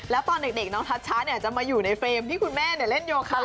แล้วตอนเด็กน้องทัชชะจะมาอยู่ในเฟรมที่คุณแม่เล่นโยคะ